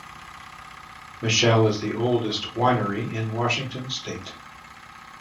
Michelle is the oldest winery in Washington state.